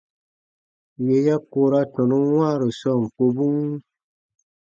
Yè ya koora tɔnun wãaru sɔɔn kobun.